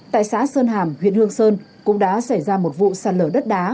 tại xã sơn hàm huyện hương sơn cũng đã xảy ra một vụ sản lợi đất đá